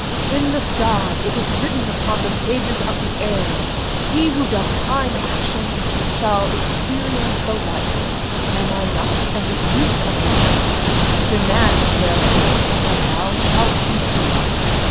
"In the sky it is written upon the pages of the air: 'He who doth kind actions shall experience the like.' Am I not an Efreet of the Jinn? Demand, therefore, and thou shalt receive."